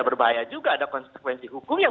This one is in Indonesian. berbahaya juga ada konsekuensi hukumnya